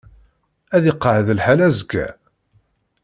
Ad iqeεεed lḥal azekka?